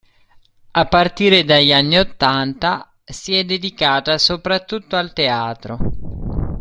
A partire dagli anni ottanta si è dedicata soprattutto al teatro.